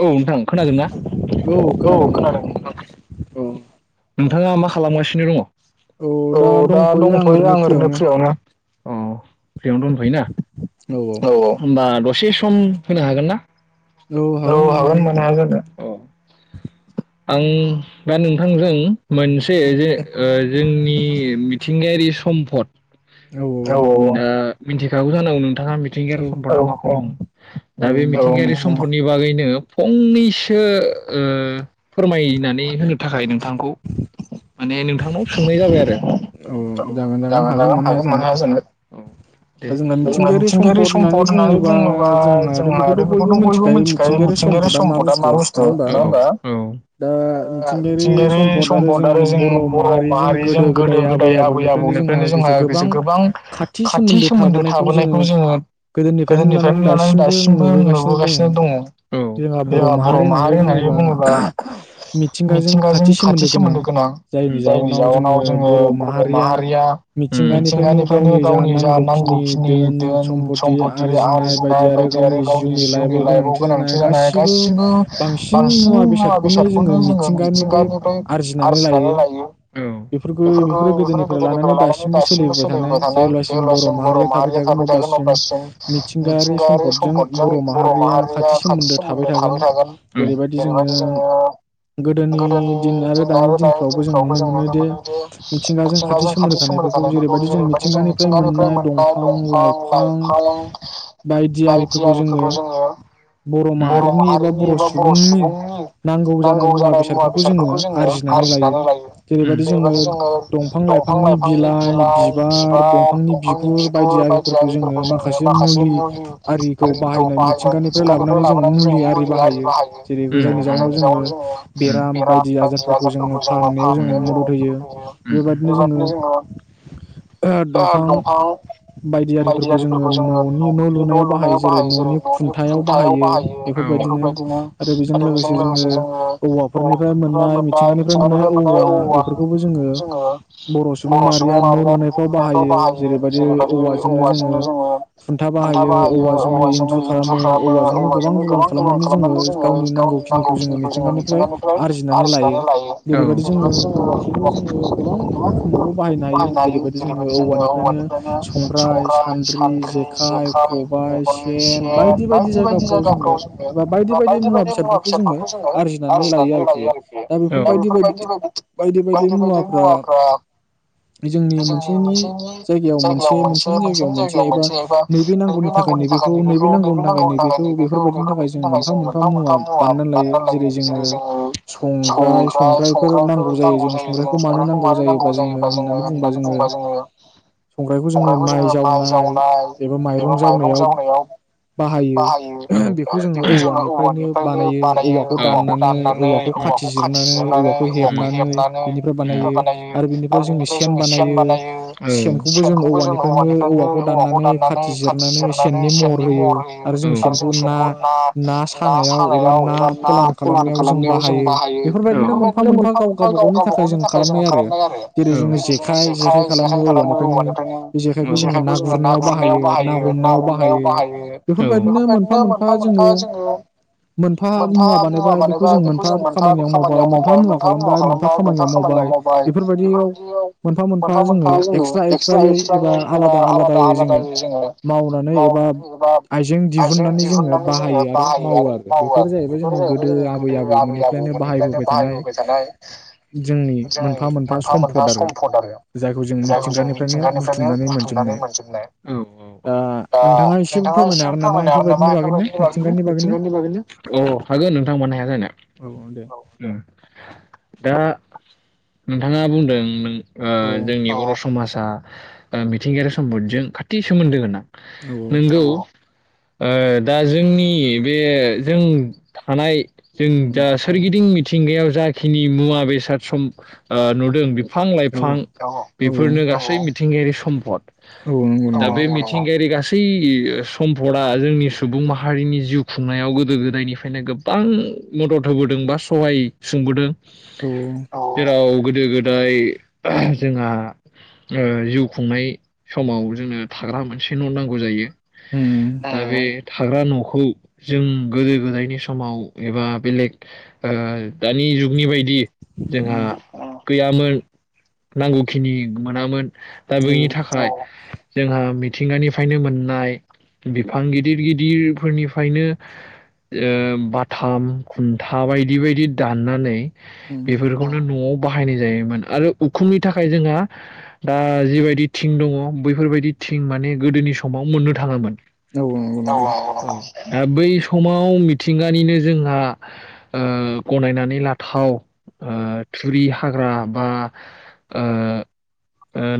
औ नोंथां खोनादोंना औ खोनादों नोंथां। औ नोंथाङा मा खालामगासिनो दङ। औ दा दंथयो आं ओरैनो फ्रियावनो। औ फ्रियावनो दंथयोना औ औ होनबा से सम होनो हागोन ना। औ हागोन मानो हाया जानो औ आं दा नोंथांजों मोनसे जे जोंनि मि मिथिंगायारि सम्पद। औ दा मिथिखागौ जानांगौ नोंथाङा मिथिंगायारि सम्पद दं दा बे मिथिंगायारि सम्पदनि बागैनो फंनैसो ओ फोरमायनानै होनो थाखाय नोंथांखौ माने नोंथांनाव सोंनाय जाबाय आरो औ जागोन जागोन हागोन मानो हाया जानो औ दे जोंहा मिथिंगायारि सम्पद होननानै बुङोबा जोंहा आरो बेखौथ बयबो मिथिखायो मिथिंगायारि सम्पदा मा बुस्थु नङा होबा। दा मिथिंगायारि सम्पद आरो जों बर बर' माहारिजों गोदो गोदाय आबै आबौनिफ्रायनो जोंहा गोबां खाथि सोमोन्दो थाबोनायखौ जोङो गोदोनिफ्रायनो लानानै दासिमबो नुबोगासिनो दङ औ जोंहा बर माहारि होननानै बुङो बा मिथिंगाजों खाथि सोमोन्दो गोनां। जायनि जाउनाव जोङो बर माहारिया ओम मिथिंगानिफ्रायनो गावनि जा नांगौखिनि दोन सम्फति आरजिनाय बायदि आरो गावनि जिउनि लाइफआव गोनांथि जानाय गासिबो बांसिन बांसिन मुवा बेसादखौ नो जोंङो मिथिंगानिफ्राय आर्जिनानै लायो थायो औ बेफोरखौ बे गोदोनिफ्राय लानानै दासिमबो सोलिबोबाय थानाय जेब्लासिम बर माहारिया थाबाय थागोन अब्लासिम मिथिंगायारि सम्पदजों बर माहारिया खाथि सोमोन्दो थाबाय थागोन ओम। जोंङो गोदोनि दिन आरो दानि दिन फोरावबो जों नुनो मोनो दे मिथिंगाजों खाथि सोमोन्दो थानायफोरखौ जेरैबायदि जों मिथिंगानिफ्राय मोननाय दंफां लाइफां बायदि आरिफोरखौ जोङो बर माहारिनि एबा बर सुबुंनि नांगौ जानाय मुवा बेसादफोरखौ जोंङो आरजिनानै लायो। जेरैबायदि जोंङो दंफां लाइफांनि बिलाइ बिबार दंफांनि बिगुर बायदि आरिफोरखौ जोंङो माखासे मुलि आरिखौ बाहायनाय मिथिंगानिफ्राय लाबोनानै जोंङो मुलि आरि बाहायो जेरै जायनि जाउनाव जोंङो बेराम बायदि आजारफोरखौ जोंङो फाहामनायाव जोंङो मदद होयो बेबायदिनो जोंङो दंफां बायदि आरिफोरखौ जोंङो ननि न लुनायाव बाहायो जेरै ननि खुन्थायाव बाहायो बेफोरबायदिनो आरो बिजों लोगोसे जोंङो औवाफोरनिफ्राय मोननाय मिथिंगानि ओमफ्राय माने औवा बेफोरखौबो जोंङो बर सुबुं माहारिया न लुनायफ्राव बाहायो जेरैबायदि औवाजोंनो जोंङो खुन्था बाहायो औवाजोंनो इन्जुर खालामो औवाजोंनो गोबां गोबां खालामनानै जोंङो गावनि गावनि नांगौखिनिखौ जोंङो मिथिंगानिफ्राय आरजिनानै लायो। जेरैबायदि जोंङो औवाखौबो जोंङो गोबां रोखोमावबो बाहायनो हायो जेरैबायदि जोंङो औवानिफ्रायनो संग्राय सान्द्रि जेखाइ खबायाइ सेन बायदि बायदि जायगाफ्राव जोंङो एबा बायदि बायदि मुवा। मुवा बेसादफोरखौ जोंङो आरजिनानै लायो आरोखि दा बायदि बायदि मुवाफ्रा जोंनि मोनसेनि जायगायाव मोनसे मोनसेनि जायगायाव मोनसे एबा नैबे नांगौनि थाखाय नैबेखौ नैबे नांगौनि थाखाय नैबेखौ बेफोरबायदिनि थाखाय जों मोनफा मोनफा मुवा मोनफा मुवा बानायना लायो जेरै जोंङो सानद्रि संग्रायफोर नांगौ जायो जों संग्रायखौ मानो नांगौ जायोबा जोङो होननानै बुंङोबा जोङो संग्राइखौ जोङो माइ जावनाय एबा माइरं जावनायाव बाहायो बेखौ जोङो औवानिफ्रायनो। बानायो औवाखौ दाननानै औवाखौ खाथि जिरनानै औवाखौ हेबनानै बेनिफ्राय बानायो आरो बेनिफ्राय जोङो सेन बानायो सेनखौबो जों औवानिफ्रायनो औवाखौ दाननानै खाथि जिरनानै सेननि महर होयो आरो जों सेनखौ ना ना सानायाव सानायाव एबा ना फलान खालामनायाव जों बाहायो बेफोरबायदिनो मोनफा मोनफा गाव गावबा गावनि थाखाय जोङो खालामनाय आरो जेरै जोङो जेखाय जेखाइ खालामो औवानिफ्रायनो जेखायखौ जोङो ना गुरनायाव बाहायो ना हमनायाव बाहायो बेफोरबायदिनो मोनफा मोनफा जोंङो। मोनफा मुवा बानायोबा बेखौ जों मोनफा खामानियाव मावबा मोनो। मोनफा मुवा खालामबाय मोनफा खामानियाव मावबाय बेफोरबायदियाव मोनफा मोनफा जोङो एक्सट्रा एक्सट्रायै एबा आलादा आलादायै जोङो मावनानै एबा आइजें दिहुननानै जोङो बाहायो आरो मावो आरो। मावो आरो बेफोर जाहैबाय गोदो आबै आबौ मोननिफ्रायनो जों मोनफा मोनफा सम्फद आरो जायखौ जों मिथिंगानिफ्रायनो बुथुमनानै मोनजोबनाय दा नोंथाङा एसे फोरमायनो हागोन नामा बेफोरबायदिनि बागैनो। औ हागोन नोंथां मानो हाया जानो औ। दा नोंथाङा बुंदों नों जोंनि बर समाजआ मिथिंगायारि सम्पदजों खाथि सोमोन्दो होना। नंगौ। दा जोंनि बे जों थानाय जों जा सोरगिदिं मिथिंगायाव जाखिनि मुवा बेसाद नुदों बिफां लाइफां बेफोरनो गासै मिथिंगायारि सम्पद। दा बे मिथिंगायारि गासै गासै सम्फदा जोंनि सुबुं माहारिनि जिउ। खुंनायाव गोदो गोदायनिफ्रायनो गोबां मदद होबोदों बा सहाय सुंबोदों। जेराव गोदो गोदो गोदाय जोंहा जिउ खुंनाय समाव जोंनो थाग्रा मोनसे न' नांगौ जायो। आरो बे थाग्रा न'खौ जों गोदो गोदायनि समाव एबा बेलेग दानि जुगनि बायदि जोंहा गैयामोन नांगौखिनि मोनामोन दा बेनि थाखाय जोंहा मिथिंगानिफ्रायनो मोननाय बिफां गिदिर गिदिरफोरनि फ्रयनो बाथाम खुन्था बायदि बायदि दाननानै बेफोरखौनो न'आव बाहायनाय जायोमोन आरो उखुमनि थाखाय जोंहा दा जिबायबायदि थिं दं बैफोर बादि थिं मानि मोन्नो थाङामोन। औ औ नंगौ नंगौ दा बै समाव मिथिंगानिनो जोंहा गनायनानै लाथाव थुरि हाग्रा बा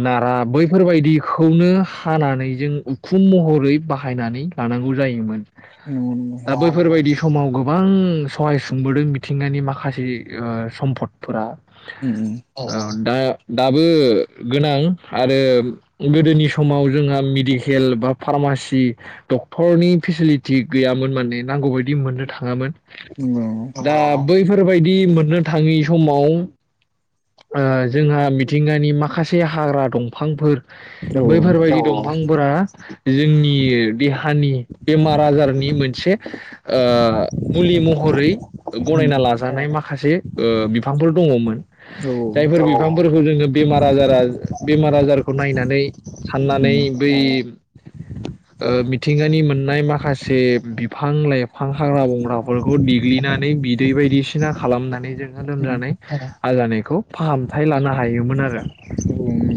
नारा बैफोरबायदिखौनो हानानै जों उखुम महरै बाहायनानै लानांगौ जायोमोन। दा बैफोरबायदि समाव गोबां सहाय सुंबोदों मिथिंगानि माखासे सम्फदफोरा । उम उम । दा दाबो गोनां आरो गोदोनि समाव जोंहा मेडिकेल बा फार्मासि डक्टरनि फेसिलि थि गैयामोन माने नांगौ बायदि मोननो थाङामोन । नंगौ बैफोरबायदि मोननो थाङि समाव जोंहा मिथिंगानि माखासे हाग्रा दंफांफोर बैफोरबायदि दंफांफोरा जोंनि देहानि बेमार नि मोनसे ओ मुलि महरै गनायना लाजानाय माखासे साननानै बै मिथिंगानि मोननाय मा खासे बिफां लाइफां हाग्रा बंग्राफोरखौ देग्लिनानै बिदै बायदिसिना खालामनानै जोङो लोमजानाय आजानायखौ फाहामथाय लानो हायोमोन आरो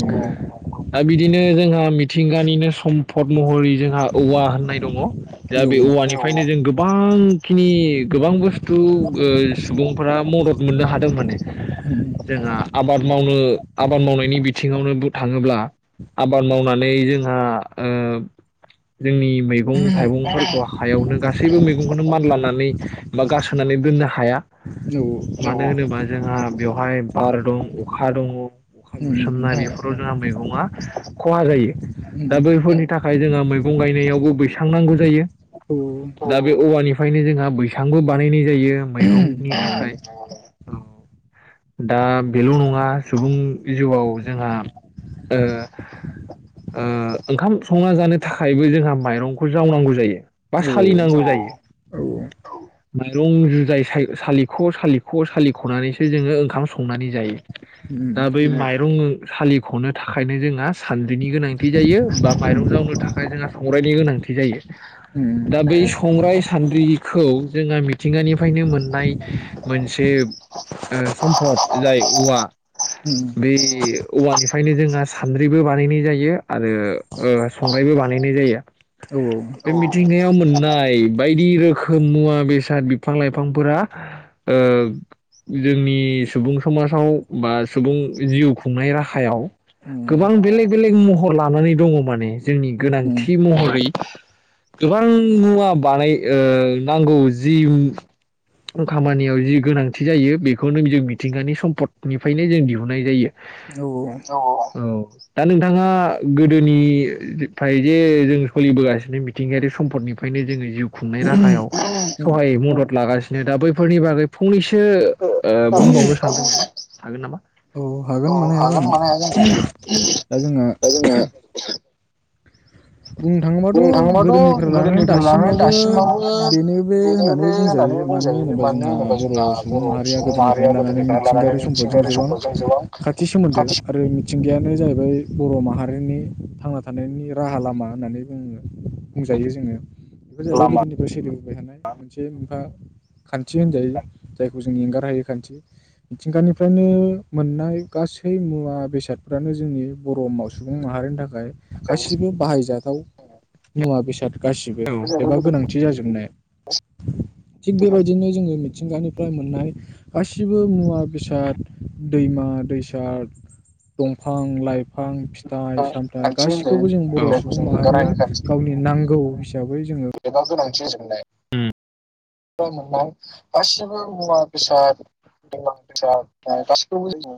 दा बिदिनो जोंहा मिथिंगानिनो सम्फद महरै जोंहा औवा होननाय दङ । दा बे औवानिफ्रायनो जों गो बां खिनि गोबां बुस्थु सुबुंफोरा मदद मोन्नो हादों माने जोंहा आबाद मावनो आबाद मावनायनि बिथिङावनो बुंनो थाङोब्ला आबाद मावनानै जोंहा जोंनि मैगं थाइगंफोरखौ हायावनो गासैबो मैगंखौनो मानलानानै बा गासोनानै दोननो हाया मानो होनोबा जोंहा बेवहाय बार दं अखा दङ । अखा बुसोमनाय बेफोराव जोंहा मैगं आ खहा जायो दा बैफोरनि थाखाय जोंहा मैगं गायनायावबो बै सां नांगौ जायो । दा बे औवानि फ्रायनो जोंहा बैसांबो बानायनाय जायो मैगंनि थाखाय दा बेल' नङा सुबुं जिउआव जोंहा ओंखाम संना जानो थाखायबो जोंहा माइरं खौ जावनांगौ जायो बा सालिनांगौ जायो माइरं जुजाय सालिख' सालिख' सालिख'नानैसो जोङो ओंखाम संनानै जायो । दा बै माइ रङो सालिख'नो थाखायनो जोंहा सान्द्रिनि गोनांथि जायो बा माइरं जावनो थाखाय जोंहा संग्राइनि गोनांथि थि जायो दा बै संग्राय सान्द्रिखौ जोंहा मिथिंगानिफ्रायनो मोननाय मोनसे ओ सम्फद जाय औवा बे औवानिफ्रायनो जोंहा सान्द्रिबो बानायनाय जायो आरो ओ संग्रायबो बानायनाय जायो बे मिथिंगायाव मोननाय बायदि रोखोम मुवा बेसाद बिफां लाइफांफोरा ओ जोंनि सुबुं समाजाव बा सुबुं जिउ खुंनाय राहायाव गोबां बेलेग बेलेग महर लानानै दङ माने जोंनि गोनांथि महरै गोबां मुवा बानाय ओ नांगौ जि खामानियाव जि गोनांथि जायो बेखौनो जों मिथिंगानि सम्फदनिफ्रायनो जों दिहुननाय जायो औ औ ओ दा नोंथाङा गोदोनिफ्राय जे जों सोलिबोगासिनो मिथिंगायारि सम्पदनिफ्रायनो जोङो जिउ खुंनाय राहायाव सहाय मदद लागासिनो दा बैफोरनि बागै फंनैसो ओ बुंबावनो सानदों हागोन नामा? औ हागोन मानो हाया जानो दा जोङो बुंनो थाङोबाथ' गोदोनिफ्राय लानानै दासिमावबो बेनो बे होननानै बुंजायो मानो होनोबा जोंहा बर' सुबुं माहारिया गोदोनिफ्राय लानानै मिथिंगायारि सम्फदजों गोबां खाथि सोमोन्दो आरो मिथिंगायानो जाहैबाय बर' माहारिनि थांना थानायनि राहा लामा होननानै बुङो । बुंजायो जोङो बेफोर जाहैबाय गोदोनिफ्राय सोलिबोबाय थानाय मोनसे । ओ । खान्थि होनजायो जायखौ जों एंगारहायै खान्थि मिथिंगानिफ्रायनो मोननाय गासै मुवा बेसादफ्रानो जोंनि बर' म सुबुं माहारिनि थाखाय गासिबो बाहायजा औ मुवा बेसाद गासिबो एबा गोनांथि जाजोब नाय थिग बेबायदिनो जोङो मिथि मिथिंगानिफ्राय मोननाय गासिबो मुवा बेसाद दैमा दैसा दंफां लाइ फां फिथाइ सामथाइ गासिखौबो जों बर 'सु सुबुं माहारिया गावनि नां गौ हिसाबै जोङो [unintelligible] गासिबो मुवा बेसाद दैमा दैसा बा गासिखौबो जों